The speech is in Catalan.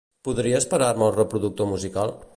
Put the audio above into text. Podries parar-me el reproductor musical?